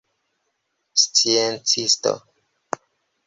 sciencisto